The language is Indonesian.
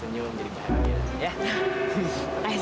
senyum jadi paham ya